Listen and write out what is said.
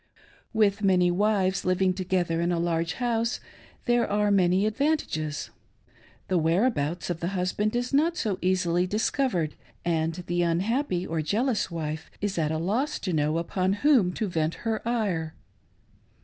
With many wives living together in a large house there are many adyanr tages. The whereabouts of the husband is not so easily dis covered, and the unhappy or jealous wife is at a loss to know upon whom to vent her ire.